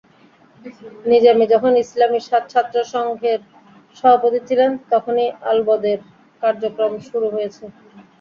নিজামী যখন ইসলামী ছাত্রসংঘের সভাপতি ছিলেন, তখনই আলবদরের কার্যক্রম শুরু হয়েছে।